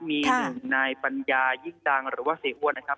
มีหนึ่งในปัญญายิ่งดังหรือว่าสิีฮวท์นะครับ